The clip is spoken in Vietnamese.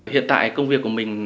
hiện tại công việc của mình